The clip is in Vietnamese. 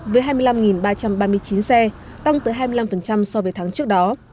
với hai mươi năm ba trăm ba mươi chín xe tăng tới hai mươi năm so với tháng trước đó